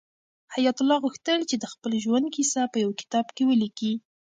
حیات الله غوښتل چې د خپل ژوند کیسه په یو کتاب کې ولیکي.